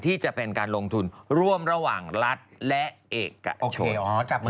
ที่จะเป็นการลงทุนร่วมระหว่างรัฐและเอกชน